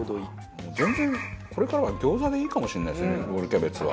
全然これからは餃子でいいかもしれないですねロールキャベツは。